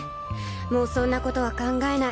もうそんなことは考えない。